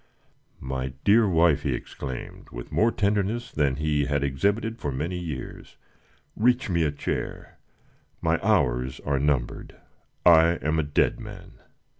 "My dear wife!" he exclaimed, with more tenderness than he had exhibited for many years, "reach me a chair. My hours are numbered. I am a dead man!"